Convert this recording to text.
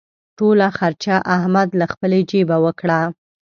ټوله خرچه احمد له خپلې جېبه وکړه.